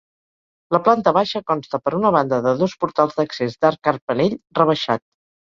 La planta baixa consta per una banda, de dos portals d'accés d'arc carpanell rebaixat.